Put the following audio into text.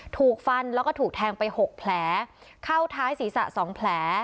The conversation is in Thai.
ถูกฟันแล้วก็ถูกแทงไปหกแผลเข้าท้ายศีรษะสองแผล